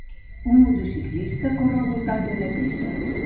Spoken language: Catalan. Un motociclista corre al voltant d'una pista.